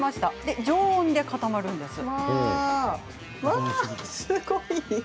常温で固まるんです。